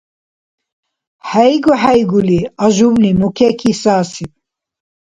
ХӀейгу-хӀейгули Ажубли мукеки сасиб.